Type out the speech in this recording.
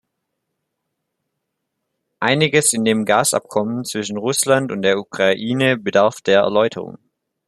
Einiges in dem Gasabkommen zwischen Russland und der Ukraine bedarf der Erläuterung.